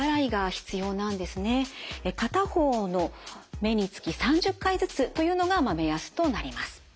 片方の目につき３０回ずつというのが目安となります。